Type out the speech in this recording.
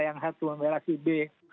yang satu membelasi b